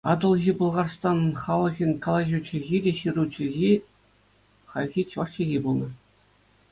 Атӑлҫи Пӑлхарстан халӑхӗн калаҫу чӗлхи те ҫыру чӗлхи хальхи чӑваш чӗлхи пулнӑ.